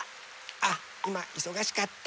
あっいまいそがしかった。